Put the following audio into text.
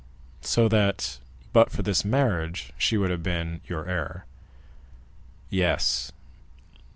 "So that, but for this marriage, she would have been your heir?" "Yes."